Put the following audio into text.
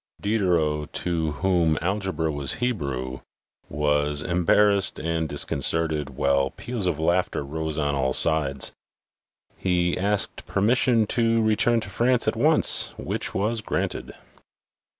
Diderot, to whom algebra was Hebrew, was embarrassed and discon certed, while peals of laughter rose on all sides. He asked permission to return to France at once, which was granted.